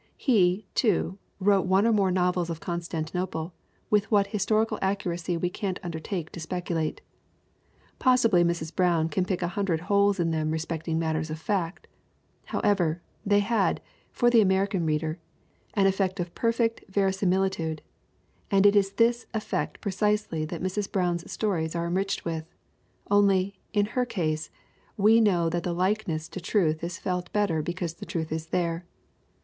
He, too, wrote one or more novels of Constantinople, with what his torical accuracy we can't undertake to speculate. Possibly Mrs. Brown can pick a hundred holes in them respecting matters of fact! However, they had, for the American reader, an effect of perfect veri similitude, and it is this effect precisely that Mrs. Brown's stories are enriched with. Only, in her case, we know that the likeness to truth is felt because the truth is there.